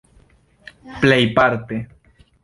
plejparte